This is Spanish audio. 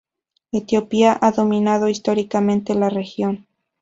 Etiopía ha dominado históricamente la región.